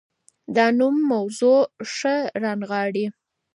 دا نوم موضوع ښه رانغاړي.